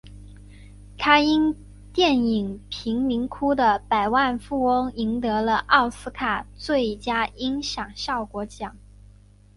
他因电影贫民窟的百万富翁赢得了奥斯卡最佳音响效果奖。